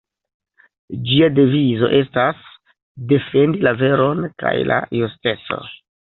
Ĝia devizo estas "Defendi la veron kaj la justeco".